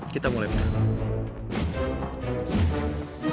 kita mulai berangkat